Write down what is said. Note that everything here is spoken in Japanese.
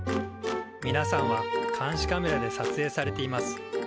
みなさんは監視カメラでさつえいされています。